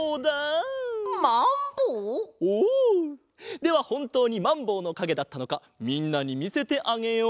ではほんとうにまんぼうのかげだったのかみんなにみせてあげよう。